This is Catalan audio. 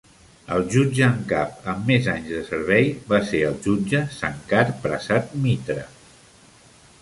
El jutge en cap amb més anys de servei va ser el jutge Sankar Prasad Mitra.